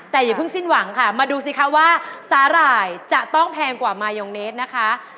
แต่อย่าเพิ่งสิ้นหวังค่ะมาดูสิคะว่าสาหร่ายจะต้องแพงกว่ามายองเนสนะคะ